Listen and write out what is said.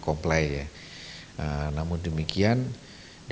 kalau ada ungg hanoo yang memiliki aplikasi